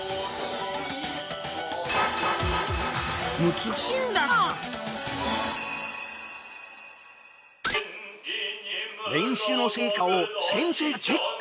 難しいんだな練習の成果を先生がチェック。